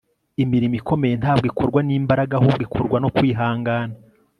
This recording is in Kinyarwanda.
imirimo ikomeye ntabwo ikorwa n'imbaraga ahubwo ikorwa no kwihangana